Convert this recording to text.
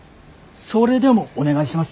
それでもお願いします。